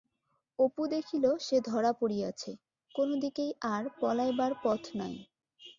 অপু দেখিল সে ধরা পড়িয়াছে, কোনো দিকেই আর পলাইবার পথ নাই।